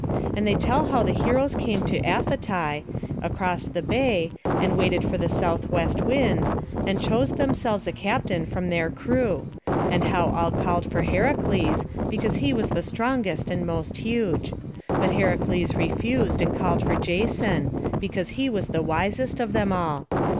And they tell how the heroes came to Aphetai, across the bay, and waited for the southwest wind, and chose themselves a captain from their crew: and how all called for Heracles, because he was the strongest and most huge; but Heracles refused, and called for Jason, because he was the wisest of them all.